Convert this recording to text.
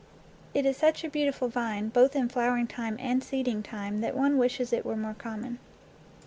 It is such a beautiful vine both in flowering time and seeding time that one wishes it were more common.